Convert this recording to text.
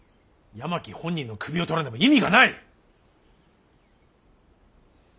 山木本人の首を取らねば意味がない。